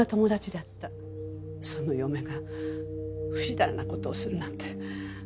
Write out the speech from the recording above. その嫁がふしだらな事をするなんて。